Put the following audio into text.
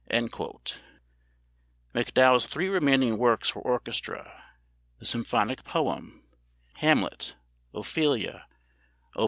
[MacDowell's three remaining works for orchestra the symphonic poem "Hamlet; Ophelia" (Op.